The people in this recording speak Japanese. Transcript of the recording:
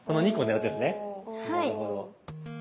なるほど。